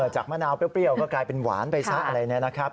มะนาวเปรี้ยวก็กลายเป็นหวานไปซะอะไรเนี่ยนะครับ